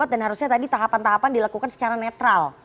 dan harusnya tadi tahapan tahapan dilakukan secara netral